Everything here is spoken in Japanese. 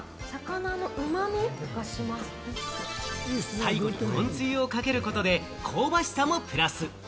最後に本つゆをかけることで香ばしさもプラス。